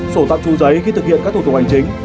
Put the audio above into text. sổ tạm trú giấy khi thực hiện các thủ tục hành chính